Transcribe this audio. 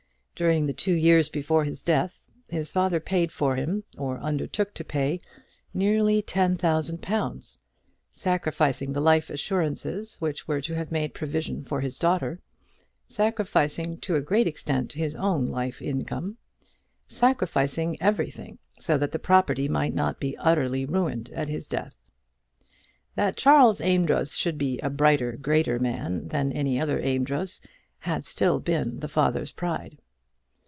During the two years before his death, his father paid for him, or undertook to pay, nearly ten thousand pounds, sacrificing the life assurances which were to have made provision for his daughter; sacrificing, to a great extent, his own life income, sacrificing everything, so that the property might not be utterly ruined at his death. That Charles Amedroz should be a brighter, greater man than any other Amedroz, had still been the father's pride.